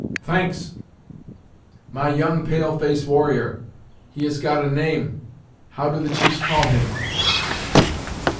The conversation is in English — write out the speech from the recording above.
"Thanks My young pale face warrior he has got a name how do the chiefs call him?"